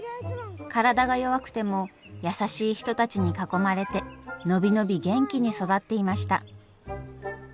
体が弱くても優しい人たちに囲まれて伸び伸び元気に育っていました。